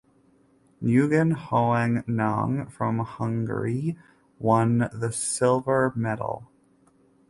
Nguyen Hoang Ngan from Hungary won the silver medal.